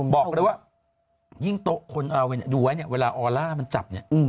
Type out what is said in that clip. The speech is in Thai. บอกเลยว่ายิ่งตกคนเอาไว้ดูไว้เวลาออร่ามันจับ